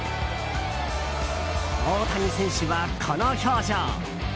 大谷選手はこの表情！